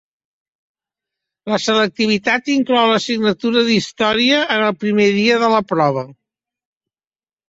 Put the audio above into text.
La selectivitat inclou l'assignatura d'Història en el primer dia de la prova